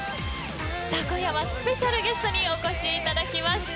今夜はスペシャルゲストにお越しいただきました。